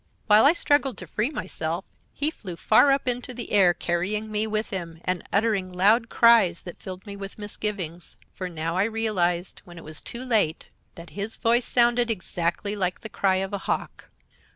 "While I struggled to free myself, he flew far up into the air, carrying me with him, and uttering loud cries that filled me with misgivings. For I now realized, when it was too late, that his voice sounded exactly like the cry of a Hawk!